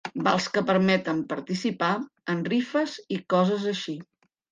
Vals que permeten participar en rifes i coses així.